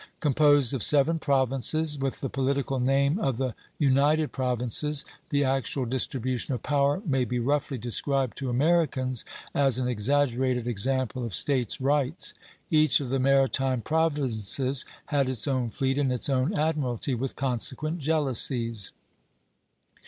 Composed of seven provinces, with the political name of the United Provinces, the actual distribution of power may be roughly described to Americans as an exaggerated example of States Rights. Each of the maritime provinces had its own fleet and its own admiralty, with consequent jealousies.